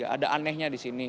ada anehnya disini